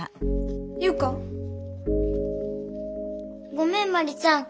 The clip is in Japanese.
ごめん茉莉ちゃん。